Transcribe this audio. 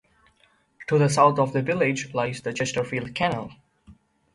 To the south of the village lies the Chesterfield Canal.